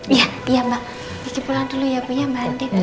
iya iya mbak keki pulang dulu ya mbak andin